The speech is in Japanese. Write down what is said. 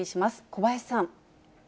小林さん。